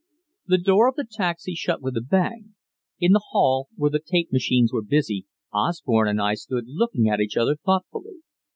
The door of the taxi shut with a bang. In the hall, where the tape machines were busy, Osborne and I stood looking at each other thoughtfully.